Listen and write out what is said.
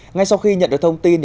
ngay sau khi nhận được thông tin